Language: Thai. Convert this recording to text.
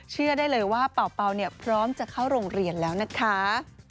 เชื่อได้เลยว่าเป่าเนี่ยพร้อมจะเข้าโรงเรียนแล้วนะคะ